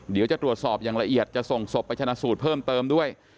เดี๋ยวจะตรวจสอบอย่างละเอียดจะส่งศพไปชนะสูตรเพิ่มเติมด้วย